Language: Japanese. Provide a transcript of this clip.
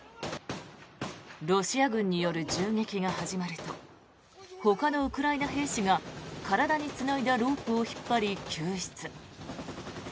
ロシア軍による銃撃が始まるとほかのウクライナ兵士が体につないだロープを引っ張り救出。